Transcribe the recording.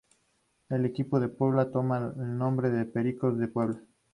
El equipo de Puebla toma el nombre de "Pericos de Puebla".